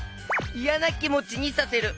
いやなきもちにさせる！